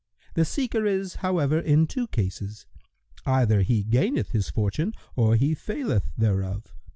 The seeker is, however, in two cases: either he gaineth his fortune or he faileth thereof.